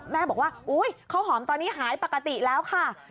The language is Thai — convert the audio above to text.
แม่บอกว่าอุ๊ยข้าวหอมตอนนี้หายปกติแล้วค่ะ